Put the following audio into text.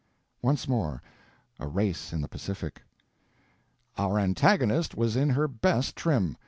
Once more. A race in the Pacific: Our antagonist was in her best trim.